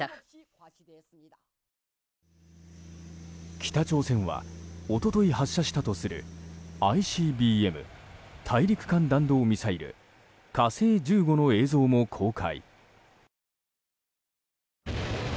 北朝鮮は一昨日発射したとするＩＣＢＭ・大陸間弾道ミサイル「火星１５」の映像も公開。